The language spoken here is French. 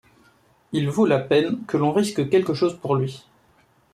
Il vaut la peine que l’on risque quelque chose pour lui.